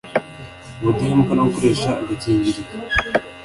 ubudahemuka no gukoresha agakingirizo)